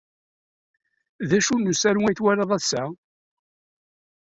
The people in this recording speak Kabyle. D acu n usaru ay twalad ass-a?